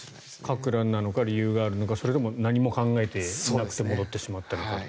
かく乱なのか理由があるのかそれとも何も考えていなくて戻ってしまったのか。